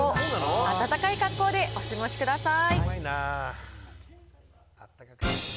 暖かい格好でお過ごしください。